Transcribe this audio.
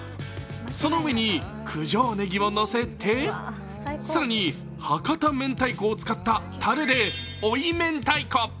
その上に九条ねぎをのせて更に博多明太子を使ったたれで追い明太子。